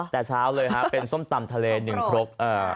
แต่เช้าเลยฮะเป็นส้มตำทะเลหนึ่งครก